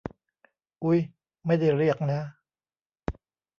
อุ๊ย ไม่ได้เรียกนะ